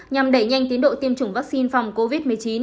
nhằm đẩy nhanh tiến độ tiêm chủng vaccine phòng covid một mươi chín